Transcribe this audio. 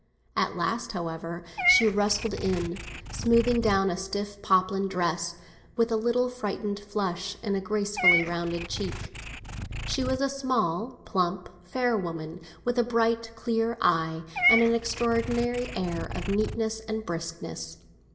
At last, however, she rustled in, smoothing down a stiff poplin dress, with a little frightened flush in a gracefully rounded cheek. She was a small, plump, fair woman, with a bright, clear eye, and an extraordinary air of neatness and briskness.